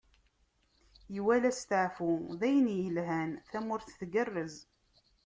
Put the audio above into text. Iwala asteɛfu d ayen yelhan, tamurt tgerrez.